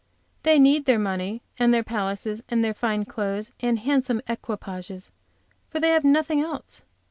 They need their money, and their palaces and their fine clothes and handsome equipages, for they have nothing else.